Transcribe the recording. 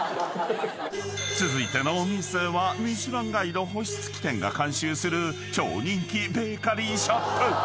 ［続いてのお店は『ミシュランガイド』星付き店が監修する超人気ベーカリーショップ］